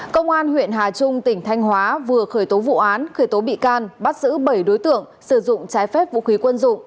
công an huyện hà trung tỉnh thanh hóa vừa khởi tố vụ án khởi tố bị can bắt giữ bảy đối tượng sử dụng trái phép vũ khí quân dụng